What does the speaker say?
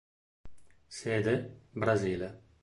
Sede: Brasile.